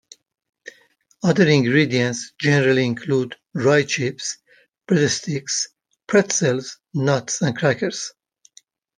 Other ingredients generally include rye chips, breadsticks, pretzels, nuts and crackers.